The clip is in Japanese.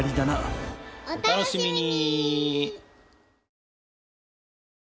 お楽しみに！